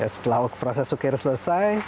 setelah proses ukir selesai